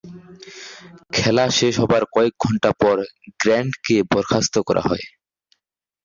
খেলা শেষ হবার কয়েক ঘন্টা পর গ্র্যান্টকে বরখাস্ত করা হয়।